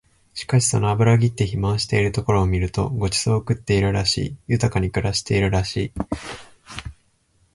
しかしその脂ぎって肥満しているところを見ると御馳走を食ってるらしい、豊かに暮らしているらしい